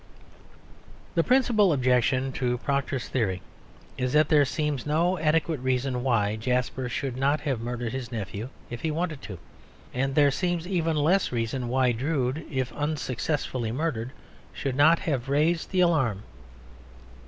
The principal objection to Proctor's theory is that there seems no adequate reason why Jasper should not have murdered his nephew if he wanted to. And there seems even less reason why Drood, if unsuccessfully murdered, should not have raised the alarm.